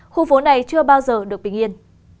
khu phố này chưa bao giờ được bình yên